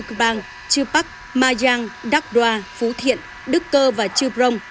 cư bang chư bắc ma giang đắc đoa phú thiện đức cơ và trư prong